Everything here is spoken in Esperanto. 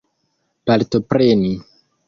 partopreni